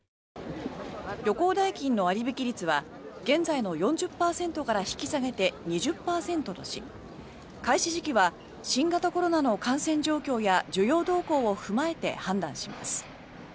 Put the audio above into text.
旅行代金の割引率は現在の４０％から引き下げて２０％とし開始時期は新型コロナの感染状況や需要動向を踏まえて判断します。